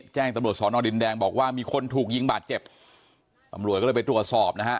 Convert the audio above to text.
แจ้งตำรวจสอนอดินแดงบอกว่ามีคนถูกยิงบาดเจ็บตำรวจก็เลยไปตรวจสอบนะฮะ